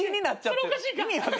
それおかしいか。